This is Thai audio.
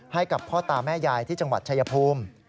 ให้กับพ่อตาแม่ยายที่จังหวัดชายภูมิ